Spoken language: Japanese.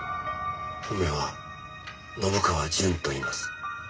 本名は「信川順」といいます。